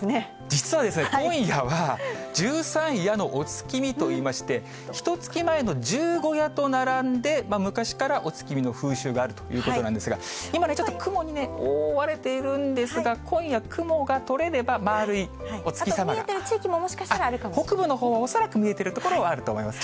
実はですね、今夜は十三夜のお月見といいまして、ひとつき前の十五夜と並んで、昔からお月見の風習があるということなんですが、今ね、ちょっと雲に覆われているんですが、今夜、見えてる地域も、もしかした北部のほうは、恐らく見えてる所はあると思います。